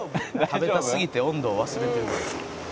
「食べたすぎて温度を忘れてる」